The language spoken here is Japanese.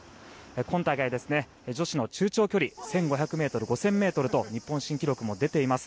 今大会、女子の中長距離１５００ｍ、５０００ｍと日本新記録も出ています。